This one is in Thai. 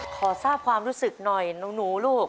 ขอทราบความรู้สึกหน่อยหนูลูก